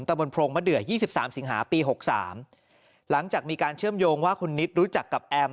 บนโพรงมะเดือยี่สิบสามสิงหาปี๖๓หลังจากมีการเชื่อมโยงว่าคุณนิดรู้จักกับแอม